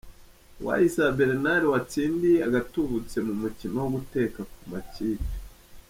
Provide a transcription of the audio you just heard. Uwayisaba Bernard watsindiye agatubutse mu mukino wo guteka ku makipe.